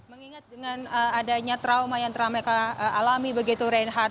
mengingat dengan adanya trauma yang telah mereka alami begitu reinhardt